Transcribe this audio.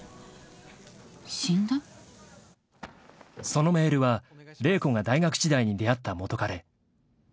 ［そのメールは麗子が大学時代に出会った元彼］